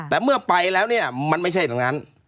แต่เมื่อไปแล้วเนี่ยมันไม่ใช่ตรงนั้น